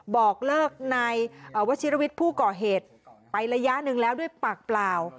บอกเลิกนายวชิรวิทย์ผู้ก่อเหตุไประยะหนึ่งแล้วด้วยปากเปล่า